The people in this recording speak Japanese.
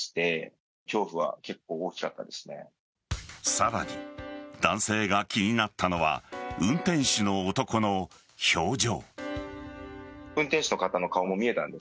さらに、男性が気になったのは運転手の男の表情。